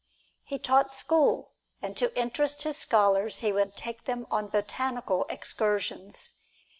He taught school, and to interest his scholars he would take them on botanical excursions.